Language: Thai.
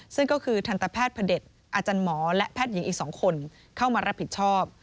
ซึ่งก็คือทันตแพทย์พระเด็จอาจารย์หมอและแพทย์หญิงอีก๒คนเข้ามารับผิดชอบ